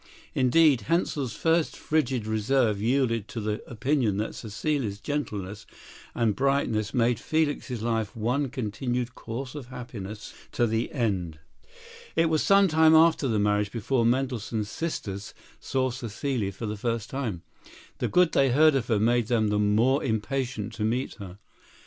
Indeed, Hensel's first frigid reserve yielded to the opinion that Cécile's gentleness and brightness made Felix's life one continued course of happiness to the end. It was some time after the marriage before Mendelssohn's sisters saw Cécile for the first time. The good they heard of her made them the more impatient to meet her.